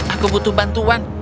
aku butuh bantuan